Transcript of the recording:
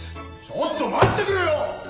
ちょっと待ってくれよ！